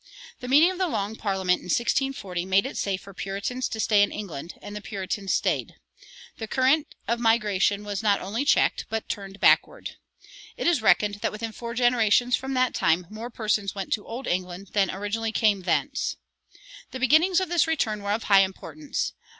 The meeting of the Long Parliament in 1640 made it safe for Puritans to stay in England; and the Puritans stayed. The current of migration was not only checked, but turned backward. It is reckoned that within four generations from that time more persons went to old England than originally came thence. The beginnings of this return were of high importance.